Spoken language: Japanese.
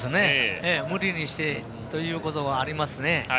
無理にしてということはありますね。